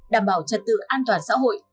đảm bảo trật tự an toàn xã hội